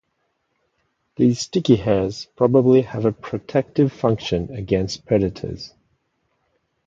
These sticky hairs probably have a protective function against predators.